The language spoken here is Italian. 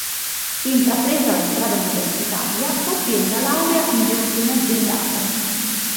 Intrapresa la strada universitaria, ottiene la laurea in gestione aziendale.